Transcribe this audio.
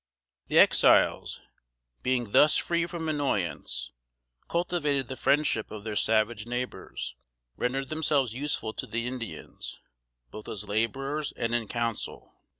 The Exiles being thus free from annoyance, cultivated the friendship of their savage neighbors; rendered themselves useful to the Indians, both as laborers and in council.